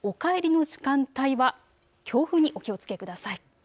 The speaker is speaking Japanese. お帰りの時間帯は強風にお気をつけください。